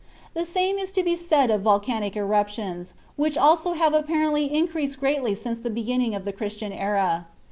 The same is to be said of volcanic eruptions, which also have apparently increased greatly since the beginning of the Christian era.